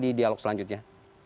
di dialog selanjutnya